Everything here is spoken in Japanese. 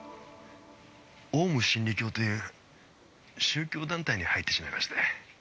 オウム真理教という宗教団体に入ってしまいまして。